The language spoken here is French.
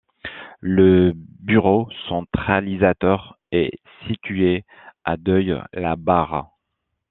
Le bureau centralisateur est situé à Deuil-la-Barre.